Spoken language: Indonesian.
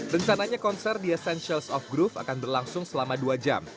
rencananya konser di essentials of groove akan berlangsung selama dua jam